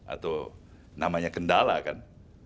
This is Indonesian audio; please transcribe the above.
atau namanya kendala kan